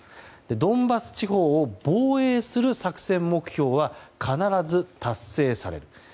ドンバス地方を防衛する作戦目標は必ず達成される。